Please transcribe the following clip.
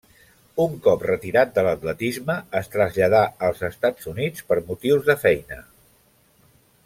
Un cop retirat de l'atletisme es traslladà als Estats Units per motius de feina.